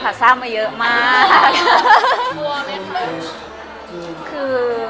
สร้างความขาดลับไปเรื่อยเลย